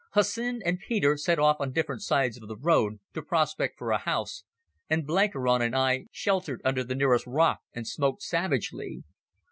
Hussin and Peter set off on different sides of the road to prospect for a house, and Blenkiron and I sheltered under the nearest rock and smoked savagely.